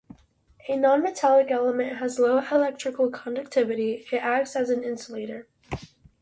A nonmetallic element has low electrical conductivity; it acts as an insulator.